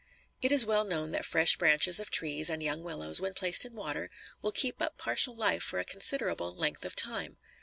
It is well known that fresh branches of trees and young willows, when placed in water, will keep up partial life for a considerable length of time.